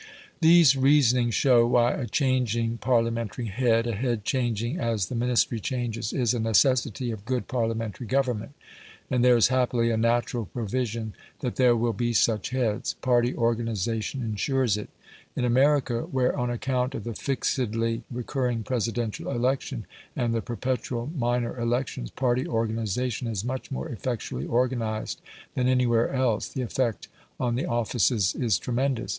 These reasonings show why a changing Parliamentary head, a head changing as the Ministry changes, is a necessity of good Parliamentary government, and there is happily a natural provision that there will be such heads. Party organisation ensures it. In America, where on account of the fixedly recurring presidential election, and the perpetual minor elections, party organisation is much more effectually organised than anywhere else, the effect on the offices is tremendous.